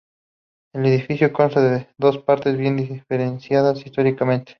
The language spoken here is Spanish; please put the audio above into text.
El edificio consta de dos partes bien diferenciadas históricamente.